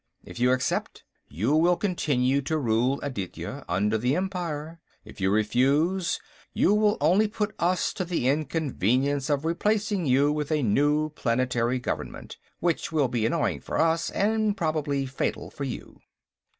If you accept, you will continue to rule Aditya under the Empire. If you refuse, you will only put us to the inconvenience of replacing you with a new planetary government, which will be annoying for us and, probably, fatal for you."